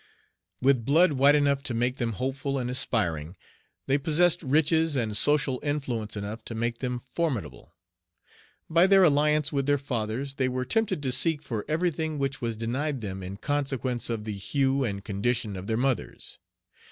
With blood white enough to make them hopeful and aspiring, they possessed riches and social influence enough to make them formidable. By their alliance with their fathers they were tempted to seek for everything which was denied them in consequence of the hue and condition of their mothers.